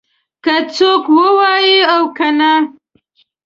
که څوک ووايي او که نه.